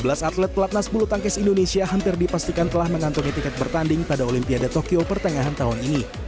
sebelas atlet pelatnas bulu tangkis indonesia hampir dipastikan telah mengantongi tiket bertanding pada olimpiade tokyo pertengahan tahun ini